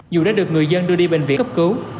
dù đã được người dân đưa đi bệnh viện cấp cứu